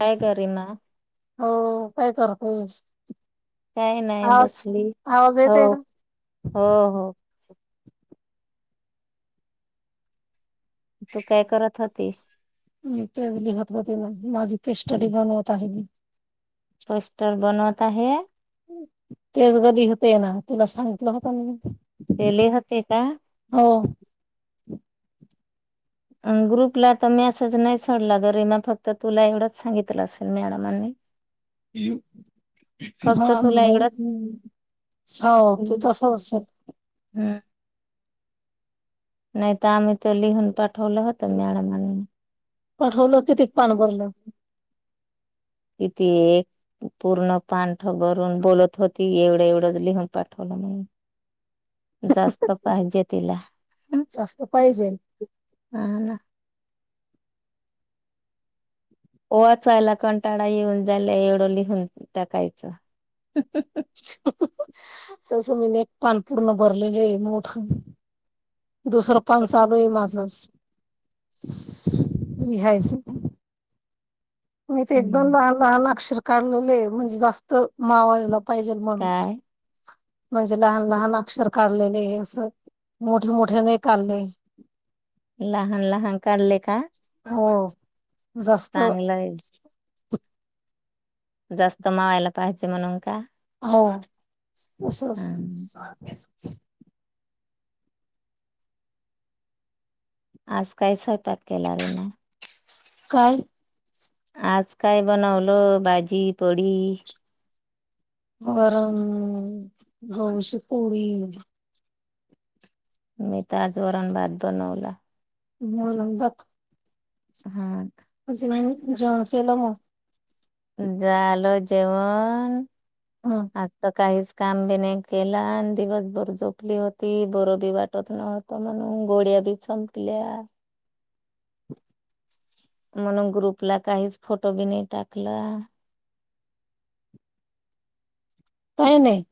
काय करी ना हो काय करतोस? काही नाही बसली आवाज हो येतोय का? हो हो. तू काय करत होती? तेच लिहत होते ना माझी ते स्टडी बनवत आहे मी. पोस्टर बनवत आहे. तेच [unintelligible] होते ना तुला सांगितलं होत मी ते लिहते होते का? [inaudible] ग्रुपला तर मेसेज नाही सोडला जरीे मग फक्त तुला एवढंच सांगितलं असेल मॅडमांनी. हा फक्त तुला मला् एवढंच [unintelligible] तो हम्म तस असेल. नाही तर आम्ही तो लिहून पाठतो. पाठवलं किती पान भरलं. किती एक पूर्ण पानं भरून बोलत होती एवढं एवढं लिहून पाठवलं म्हणून जास्त पाहिजे तिला. जास्त पाहिजे वाचायला कंटाळा येऊन जायला एवढं लिहून टाकायच. तसं मी न एक पान पूर्ण भरलेले आहे मोठ दुसरं पाण चालू आहे माझ. लिहायचं. म ते एकदोन हम्म लहान लहान अक्षर. काढलेले म्हणजे जास्त मावाला पाहिजल म्हण काय म्हणजे लहान लहान अक्षर काढलेले असं मोठे मोठे नाही काढले. लहान लहान काढले का? हो. जास्त चांगलंय. जास्त मावायला पाहिजे म्हणून का? हो. हम्म अस [inaudible] आज कायस आहे पॅक केलरी म काल आज काय बनवलं भाजी थोडी गरम गौश पोळी मी ताजं वरण भात बनवला होतात हा [inaudible] झालं जेवण ह आत्ता काहीच काम बी नाही केला आणि दिवसभर झोपली होती बर बी वाटत नव्हत म्हणून गोळ्या बी संपल्या म्हणून ग्रुपला काहीच फोटो बी नाही टाकलं काय नाही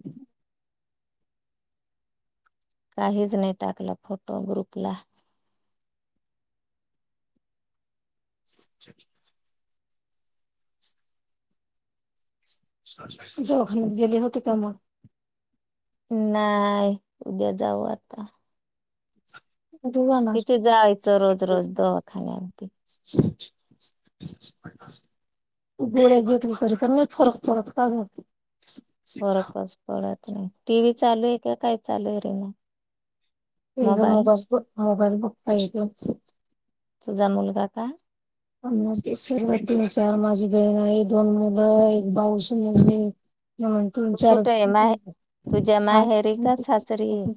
काहीच नाही टाकलं फोटो ग्रुपला ल दोघच गेले होते का मग नाही उद्या जाऊ आता उद्या जाणार किती जायचं रोज दवाखान्यात गोळ्या घेेतली फरक पडत नाही [inaudible] टीव्ही चालू आहे का काय चालू आहे रे ना इ मोबाईल मोबाल ब मोबाईल बुक तुझा मुलगा का ् सर्व तीन चार माझी बेण आहे दोन मुलं एक भाऊ म म्हण तुम तू चार कुठे आहे माहे तुझ्या माहेरी का सासरी आहे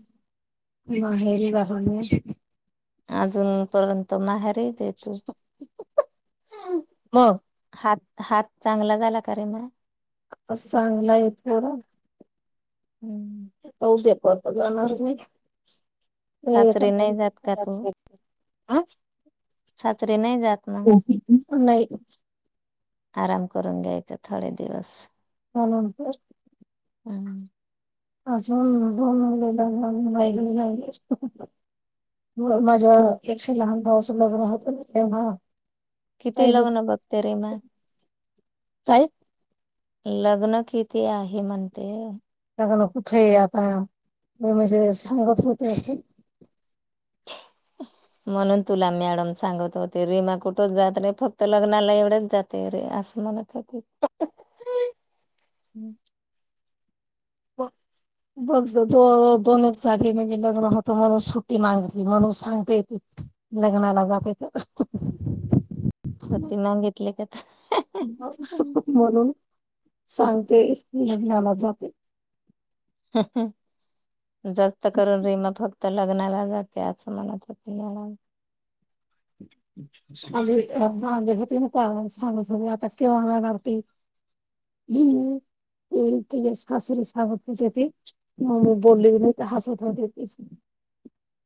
हेरी ब अजून पर्यंत नाही ते तेतू म हात हात चांगला झाला का रे मर चांगला आहे तर हम्म कोण पेपरला जाणार मी ते सासरी सगळं नाही जात का या तू साईट सासरी नाही जातं नाई आराम करून घ्यायचं थोडे दिवस म्हणून ते हम् अजून दोन महिने झालं [inaudible] होय माझ्या पेक्षा लहान भाऊचं लग्न होतं ना तेंव्हा किती लग्न बघते रे मान्य काय लग्न किती आहे म्हणते कुठे आता म्हणजे सांगत होते असं म्हणून तुला मॅडम सांगत होते रीमा कुठेच जात नाही फक्त लग्नाला एवढेच जाते रिमा असं म्हणत हो ठीक हम्म बघ गं दोनच जागी म्हणजे लग्न होतं म्हणून सुट्टी मागितली म्हणून सांगतेयेत लग्नाला जाते तर सुट्टी मागितली काय बोलून सांगते लग्नाला जाते हम् ह जास्त करून रिमा फक्त लग्नाला लग्नाला जाते असचं मनात घा फक्त [unintelligible] सागं सवयी आता सेवा माय भारती ह् ती तिच्या सासरी सागंतचं येती म मी बोलली कि हसत होती. इशयं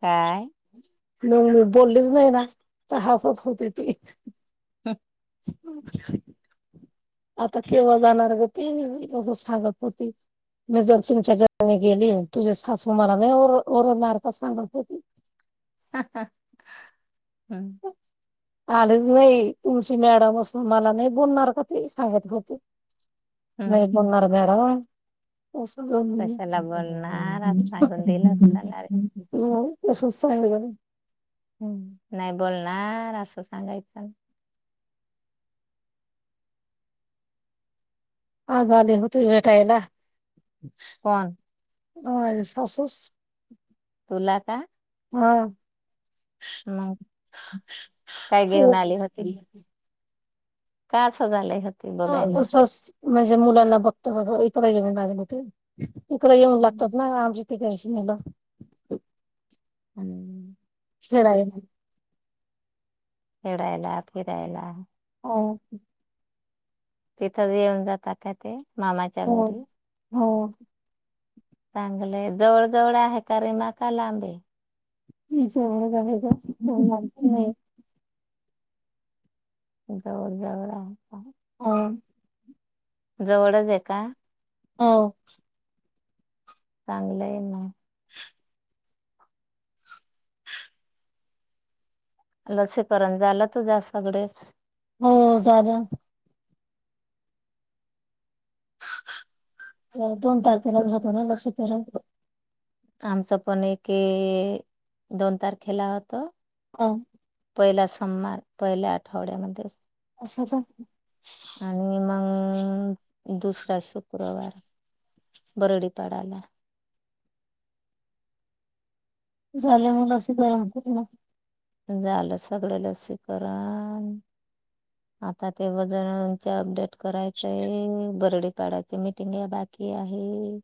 काय मग मी बोललीच नाही आज तर हसत होती ती हम [unintelligible] आता केव्हा जाणार ग ते सांगत होती मी जर तुमच्या घरी गेले तुझे सासू मला नाही ओर ओरडणार का सांग बरं हा हा हम्म आले नाही तुमची मॅडम असून मला नाही बोलणार का ते सांगत होते नाही हम्म. [inaudible] कशाला बोलणार असं सांगून दिलं असताना रे हो [unintelligible] तसंच सांगणार हम् नाही बोलणार असं सांगायचं. हा झाले होते भेटायला पण अ सासूस तुला का हा मग काय घेऊन खूप आली होती? काय असं झालंय हो? हो म्हणजे मुलांना बघत बघ इकडेे [inaudible] माझ ते इकडे येऊन लागतात हम्म ना [unintelligible] आणि [unintelligible] आहे खेडायला फिरायला हो तिथच येऊन जातात काय ते मामाच्या हो घरी हो चांगलंय जवळ जवळ आहे का रिमा का लांबे आहे. [unintelligible] हो लाग नाही जवळ जवळ आहे. होय जवडच आहे का? हो चांगलंय ना [inaudible] लसीकरण झालं तुझ्या सगडेच हो झालं दोन तारखेलाच होत ना लसीकरण आमचं पण एके दोन तारखेला होत. अ पहिला सोमवार पहिल्या आठवड्यामध्येच असं तर अ दुसरा शुक्रवार आहे बरडीपाडाला. झाल मग लसीकरण होत झालं सगळं लसीकरण आता ते वजनचे अपडेट करायचंय बरडी काडाची मीटिंग या बाकी आहे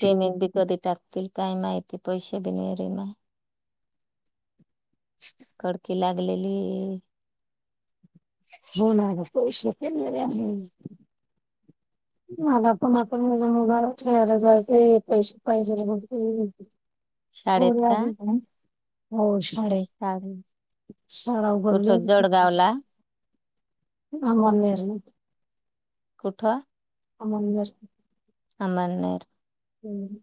पेमेंट बी कधी टाकतील काय माहिती पैसे बिन रे मा करकीे लागलेली होणार पैसे फले आ मला पण आपण माझ उभाला ठेवायला जायचं पैसे पाहिजे बघ हो शाळेत रे का अजून पर्यंत. हो शाळेत शाळा उघडली कुठं हो. जळगावला आ मणरण कुठ आ आम नाही हम्म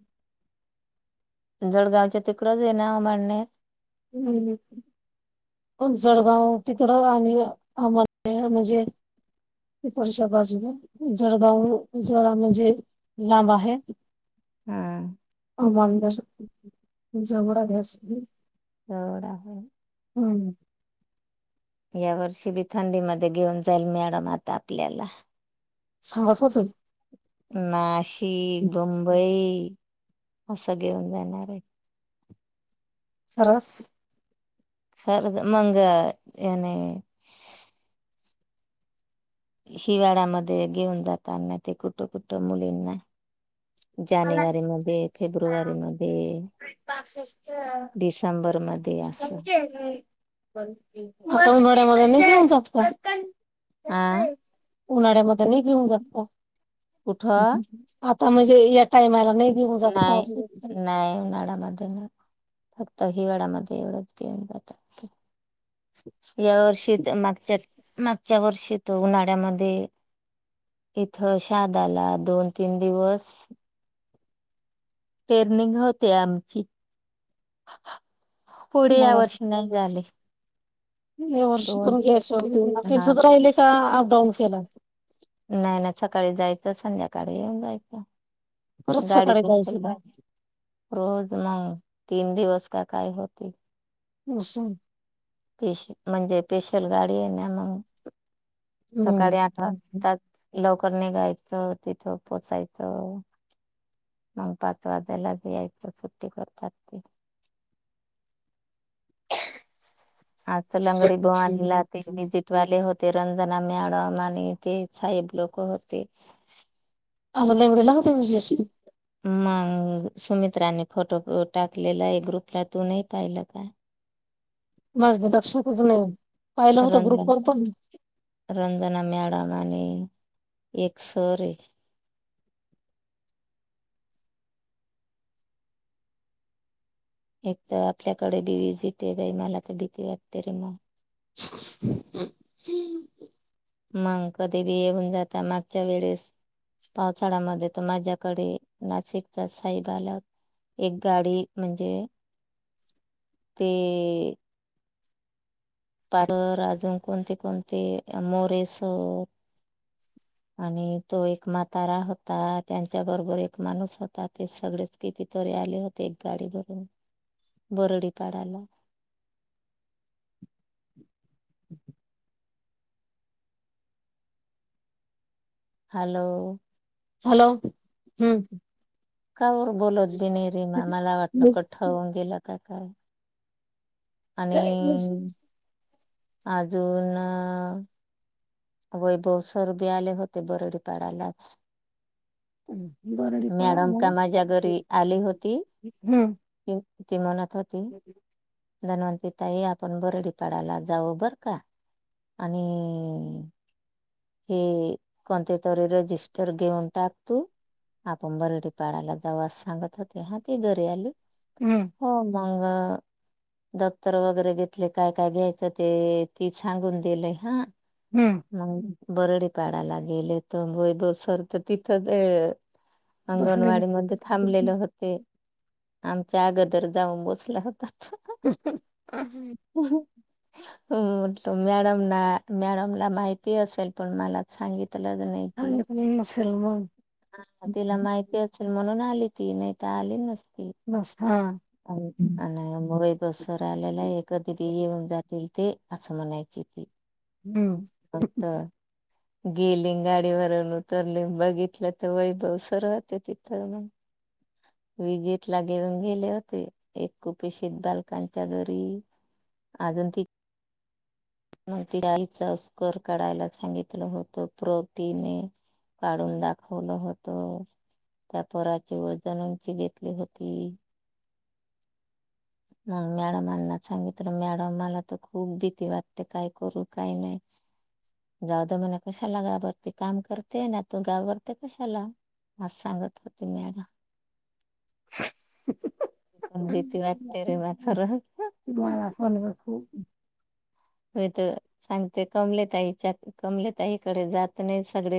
जळगावच्या तिकडच आहे ना म्हणणे हम् जळगाव तिकड आणि आम्हाला म्हणजे त परषा बाजूला जळगाव जळा म्हणजे लांब आहे हा ंद जवर अस होड आहे हम या वर्षी बी थंडी म घेऊन जाईल मॅडम आता आपल्याला सांगत होतय. नाशिक मुंबई- असं घेऊन जाणार आहे. खरवस. मंग याने हिवाळा्यामध्ये घेऊन जाताना ते कुठं कुठं मुलींना [inaudible] पॉपकॉर्न जानेवारी मध्ये फेब्रुवारी मध्ये डिसेंबर मध्ये असं तेच ते. उन्हाळ्यामध्ये नाही घेऊन जात का आ कुठं हहु आप- म्हणजे या टायमाला आत्ता. नाय नाय उन्हाळ्यामध्ये नाही होणार. फक्त हिवाळ्यामध्ये एवढंच घेऊन जातात. या वर्षी मागच्याग च्या वर्षी तर उन्हाळ्यामध्ये इथ शहादाला दोन तीन दिवस. टेनिंग होते आमची. पुढे या वर्षी नाही झाले वर्ष दोन पण घ्यायचं होतं मग हा तिथच राहिले का अपडाऊन केला. नाही नाही सकाळी जायचं संध्याकाडी येऊन जायचं. परत सकाळी [unintelligible] जायचं मंग तीन दिवस का काय होती. [unintelligible] म्हणजे स्पेशल गाडी आहे ना मग. सकाडी आठ हम्म वाजतात. लवकर निघायचं तिथं पोचायचं मग पाच वाजाला यायचं सुट्टी करतात ते. [unintelligible] विजिट वाले होते. ते रंजना मॅडम आणि ते साहेब लोक होते. [unintelligible] मग सुमित्राने फोटो टाकलेला आहे ग्रुपला तू नाही पाहिलं का. माझं लक्षातच नाही. पाहिलं होतं ग्रुप रंजन वर पण रंजना मॅडम आणि एक सर ए. एक तर आपल्याकडे बी विजिट आहे बाई मला त भीती वाटते रे म. मंग कधी बी येऊन जाता मागच्या वेडेस पावसाळ्यामधे तर माझ्याकडे नाशिकचा साहेब आला होता एक गाडी म्हणजे ते पाडर अजून कोणते कोणते मोरे सर आणि तो एक म्हातारा होता. त्यांच्या बरोबर एक माणूस होता. ते सगळेच कितीतरी आले होते. एक गाडी भरून बरडी पाडायला. हॅलो. हॅलो हुं कावर बोलत बी नाही रिमा मला वाटलं कठ होऊन गेलं. की काय. आणि आजून वैभव सर बी आले होते बरडी पाडालाच. [unintelligible] पळा मॅडम का हम्म माझ्या घरी आली होती. ती म्हणत. [unintelligible] धनवंती ताई आपण बरडी पाडायला जाऊ बर का आणि हे कोणते तरी रजिस्टर घेऊन टाक तू आपण बरडी पाडाला जाऊ सांगत होते. हा ती घरी आली हम्म हो म मग दप्तर वगैरे घेतले काय काय घ्यायचं ते ती सांगून दिलेय हा. हम्म [unintelligible] बरडी पाडायला गेले तर वैभव सर तर तिथंच हे. बसलेले अंगणवाडी मध्ये थांबलेले होते. आमच्या अगदर जाऊन बसला होता. [unintelligible] ह म्हणतो मॅडम ना मॅडम ला माहिती असेल. पण मलाच सांगि ला नाही क सलमन हा तिला माहितीच तर म्हणून आली ती नाही तर आली नसते. बश मगई बससर आलेला आहे कधी त येऊन जातील. ते असं म्हणायची त हम्म होता. गेली गाडीवरून उतरली बघितलं तर वैभव सरवात आहे. तिथ मग विजेेत ला घेऊन गेले होते. एक कुपेशीित बालकांच्या दरी अजून ती मग ति गाईचा स्कर काढायला सांगितलं होतं प्रोटीने काढून दाखवलं होत. त्या पराची वळजण उंची घेतली होती. म मॅडमांना सांगितलं मॅडम मला त खूप भीती वाटते. काय करू काय नाही गाव द मणा कशाला गावरती काम करते ना तू गावरते कशाला मज सांगत होती मॅडम. पण भीती वा [unintelligible] खूप हो तर सांगते कमले ताईच्या कमले तईकडे जात नाही सगळे